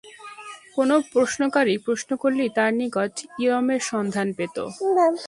কোন প্রশ্নকারী প্রশ্ন করলেই তাঁর নিকট ইলমের সন্ধান পেত।